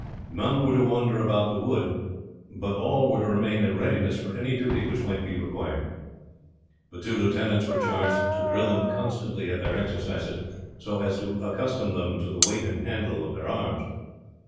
None were to wander about the wood, but all were to remain in readiness for any duty which might be required. The two lieutenants were charged to drill them constantly at their exercises so as to accustom them to the weight and handle of their arms.